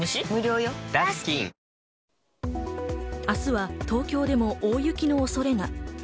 明日は東京でも大雪の恐れが。